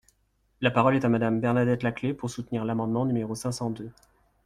La parole est à Madame Bernadette Laclais pour soutenir l’amendement numéro cinq cent deux.